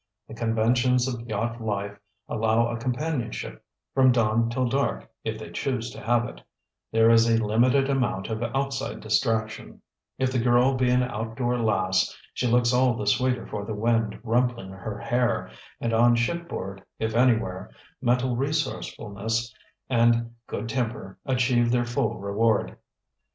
The conventions of yacht life allow a companionship from dawn till dark, if they choose to have it; there is a limited amount of outside distraction; if the girl be an outdoor lass, she looks all the sweeter for the wind rumpling her hair; and on shipboard, if anywhere, mental resourcefulness and good temper achieve their full reward.